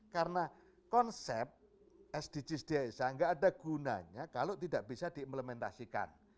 karena konsep sdgs desa gak ada gunanya kalau tidak bisa diimplementasikan